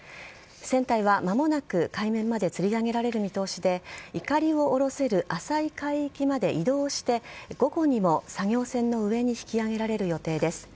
船体は間もなく海面までつり上げられる見通しでいかりを下ろせる浅い海域まで移動して午後にも作業船の上に引き揚げられる予定です。